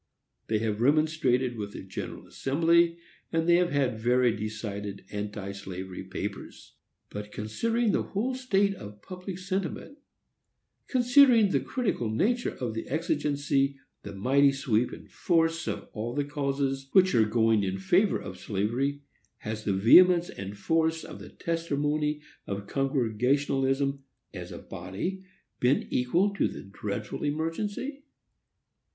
They have remonstrated with the General Assembly, and they have very decided anti slavery papers. But, considering the whole state of public sentiment, considering the critical nature of the exigency, the mighty sweep and force of all the causes which are going in favor of slavery, has the vehemence and force of the testimony of Congregationalism, as a body, been equal to the dreadful emergency?